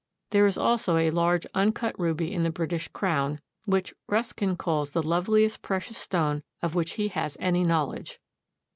There is also a large uncut ruby in the British crown, which Ruskin calls the loveliest precious stone of which he has any knowledge.